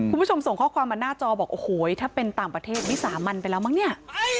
คุณผู้ชมส่งข้อความมาหน้าจอบอกโอ้โหถ้าเป็นต่างประเทศวิสามันไปแล้วมั้งเนี่ย